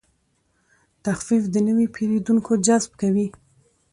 تخفیف د نوي پیرودونکو جذب کوي.